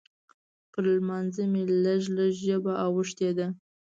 پر لمانځه مې لږ لږ ژبه اوښتې ده.